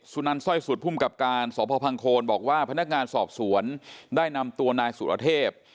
นันสร้อยสุดภูมิกับการสพพังโคนบอกว่าพนักงานสอบสวนได้นำตัวนายสุรเทพ